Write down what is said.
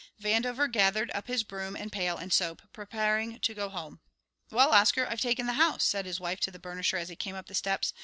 Vandover gathered up his broom and pail and soap preparing to go home. "Well, Oscar, I've taken the house!" said his wife to the burnisher as he came up the steps.